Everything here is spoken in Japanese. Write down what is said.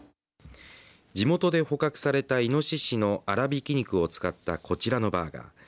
地元で捕獲された、いのししの粗びき肉を使ったこちらのバーガー。